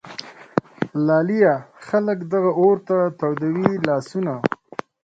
لالیه ! خلک دغه اور ته تودوي لاسونه